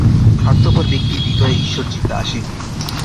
স্বার্থপর ব্যক্তির হৃদয়ে ঈশ্বরচিন্তা আসিবে না।